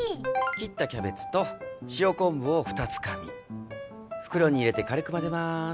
切ったキャベツと塩昆布を２つかみ袋に入れて軽くまぜます